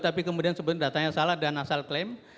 tapi kemudian sebenarnya datanya salah dan asal klaim